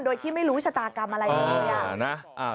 โดยที่ไม่รู้ชะตากรรมอะไรอย่างนี้